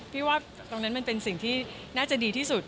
พี่ว่าตรงนั้นมันเป็นสิ่งที่น่าจะดีที่สุด